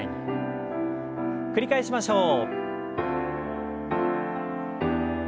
繰り返しましょう。